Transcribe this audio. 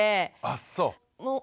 あっそう。